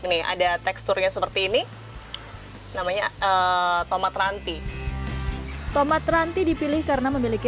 ini ada teksturnya seperti ini namanya tomat rantai tomat rantai dipilih karena memiliki